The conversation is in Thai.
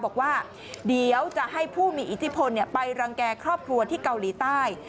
บอกว่าเดี๋ยวจะให้ผู้มีอิทธิพลไปรังแก่ครอบครัวที่เกาหลีใต้